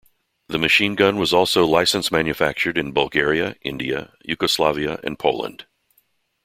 The machine gun was also license-manufactured in Bulgaria, India, Yugoslavia and Poland.